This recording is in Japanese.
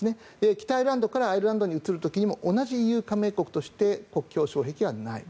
北アイルランドからアイルランドに移る時は同じＥＵ加盟国として国境、障壁はない。